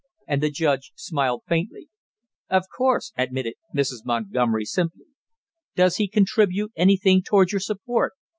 And the judge smiled faintly. "Of course," admitted Mrs. Montgomery simply. "Does he contribute anything toward your support?"